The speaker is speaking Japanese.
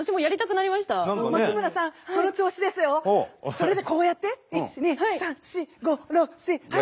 それでこうやって１２３４５６７８９。